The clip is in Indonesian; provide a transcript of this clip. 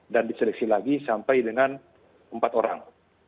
dan diseleksi lagi sampai dengan empat orang